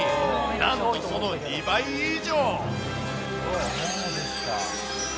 なんとその２倍以上。